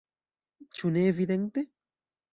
Ĉu ne evidente?